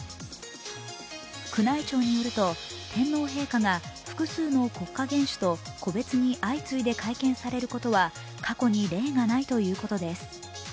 宮内庁によると、天皇陛下が複数の国家元首と個別に相次いで会見されることはかこに例がないということです。